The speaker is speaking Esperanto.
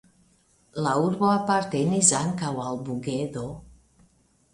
La urbo apartenis ankaŭ al Bugedo.